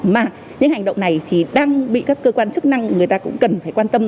mà những hành động này thì đang bị các cơ quan chức năng người ta cũng cần phải quan tâm